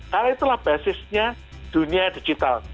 karena itulah basisnya dunia digital